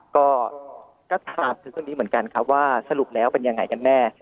ก็ถามถึงเรื่องนี้เหมือนกันครับว่าสรุปแล้วเป็นยังไงกันแน่